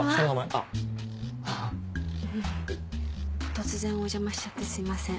突然お邪魔しちゃってすいません。